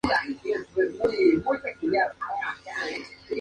Pasó casi todo el tiempo en Gotinga o con Hardy en Cambridge.